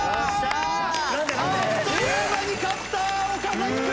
あっという間に勝った岡君！